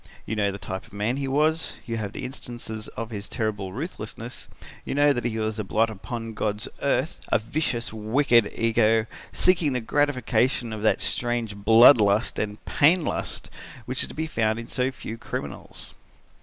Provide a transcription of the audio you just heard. You know the type of man he was, you have instances of his terrible ruthlessness, you know that he was a blot upon God's earth, a vicious wicked ego, seeking the gratification of that strange blood lust and pain lust, which is to be found in so few criminals."